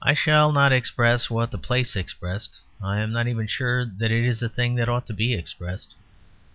I shall not express what the place expressed. I am not even sure that it is a thing that ought to be expressed.